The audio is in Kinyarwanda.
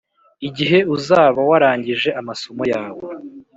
igihe uzaba warangije amasomo yawe.